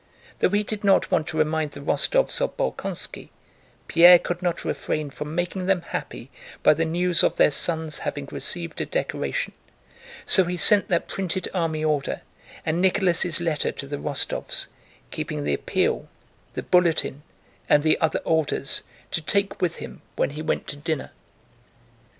Though he did not want to remind the Rostóvs of Bolkónski, Pierre could not refrain from making them happy by the news of their son's having received a decoration, so he sent that printed army order and Nicholas' letter to the Rostóvs, keeping the appeal, the bulletin, and the other orders to take with him when he went to dinner.